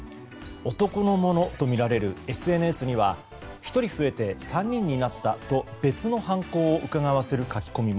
男のものとみられるＳＮＳには１人増えて３人になったと別の犯行をうかがわせる書き込み。